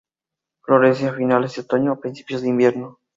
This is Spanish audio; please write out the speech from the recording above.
Florece a finales de otoño o principios de invierno.